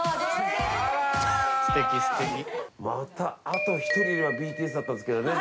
あと１人いればＢＴＳだったんですけどね。